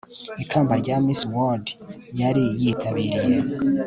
ikamba rya miss world yari yitabiriye